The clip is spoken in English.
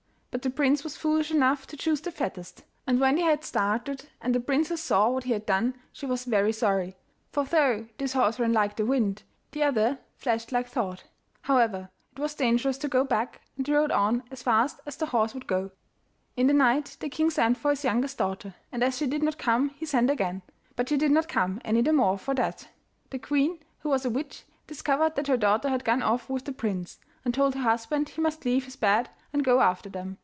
But the prince was foolish enough to choose the fattest: and when they had started and the princess saw what he had done, she was very sorry, for though this horse ran like the wind, the other flashed like thought. However, it was dangerous to go back, and they rode on as fast as the horse would go. In the night the king sent for his youngest daughter, and as she did not come he sent again; but she did not come any the more for that. The queen, who was a witch, discovered that her daughter had gone off with the prince, and told her husband he must leave his bed and go after them.